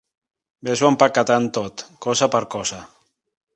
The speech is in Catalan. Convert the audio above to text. Ves-ho empaquetant tot cosa per cosa.